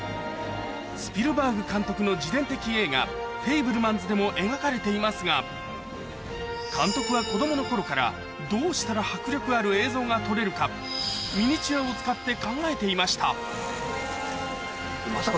スピルバーグ監督の自伝的映画『フェイブルマンズ』でも描かれていますが監督は子供の頃からどうしたら迫力ある映像が撮れるかミニチュアを使って考えていましたまさか